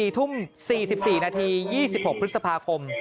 ๔ทุ่ม๔๔นาที๒๖พฤษภาคม